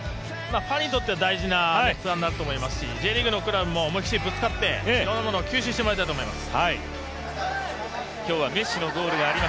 パリにとっては大事なツアーになると思いますし、Ｊリーグのクラブも思い切りぶつかっていろんなものを吸収してもらいたいと思います。